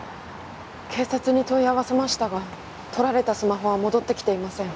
警察に問い合わせましたが取られたスマホは戻ってきていません。